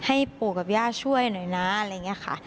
ให้ปู่กับย่าช่วยหน่อยนะอะไรอย่างนี้ค่ะ